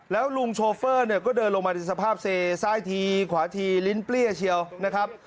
แล้วลุงโชเฟอร์เนี่ยก็เดินลงมาในสภาพเซซ้ายทีขวาทีลิ้นเปรี้ยเชียวนะครับ